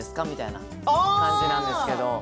みたいな感じなんですけれど。